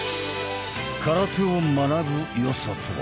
空手を学ぶ良さとは？